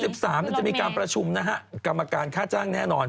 เขาบอกว่า๒๓นั้นจะมีการประชุมนะฮะกรรมการค่าจ้างแน่นอน